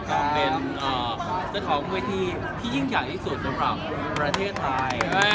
การเป็นเจ้าของเวทีที่ยิ่งใหญ่ที่สุดสำหรับประเทศไทย